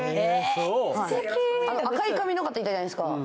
赤い髪の方いたじゃないですか